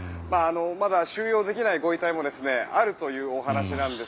まだ収容できないご遺体もあるというお話なんです。